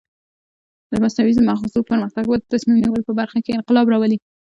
د مصنوعي مغزو پرمختګ به د تصمیم نیولو په برخه کې انقلاب راولي.